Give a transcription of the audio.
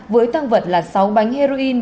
với thang vật là sáu bánh heroin